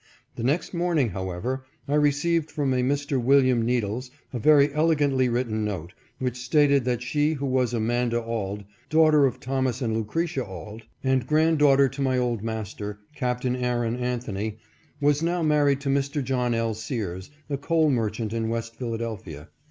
The next morning, how ever, I received from a Mr. Wm. Needles a very elegantly written note, which stated that she who was Amanda Auld, daughter of Thomas and Lucretia Auld, and grand daughter to my old master, Capt. Aaron Anthony, was now married to Mr. John L. Sears, a coal merchant in West Philadelphia.